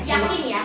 yang ini ya